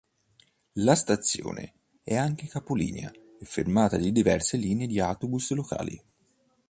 La stazione è anche capolinea e fermata di diverse linee di autobus locali.